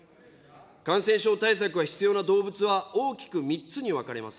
感染症対策が必要な動物は大きく３つに分かれます。